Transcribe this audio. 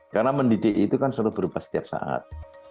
karena mendidik itu kan selalu berubah setiap saat